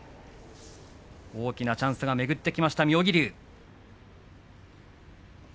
大きなチャンスが巡ってきました妙義龍。